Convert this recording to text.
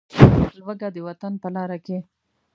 لوږه دې د وطن په لاره کې.